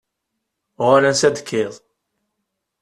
Uɣal ansa i d-tekkiḍ.